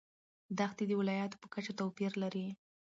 دښتې د ولایاتو په کچه توپیر لري.